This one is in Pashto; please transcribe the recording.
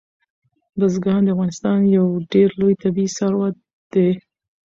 بزګان د افغانستان یو ډېر لوی طبعي ثروت دی.